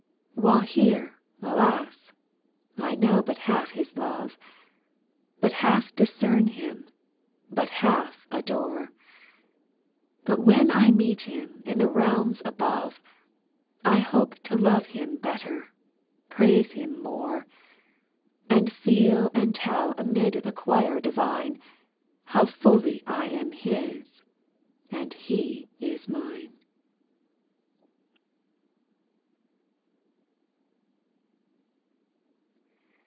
6. While here, alas I I know but half His love. But half discern Him, and but half adore ; But when I meet Him in the realms above, I hope to love Him better, praise Him morej SPIRITUAL SONGS. lU And feel and tell amid the choir divine, How fully I am His, and He is mine.